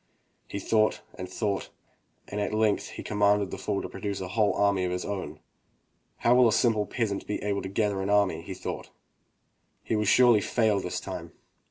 He thought and thought, and at length he commanded the fool to produce a whole army of his own. "How will a simple peasant be able to gather an army?" thought he, "he will surely fail this time."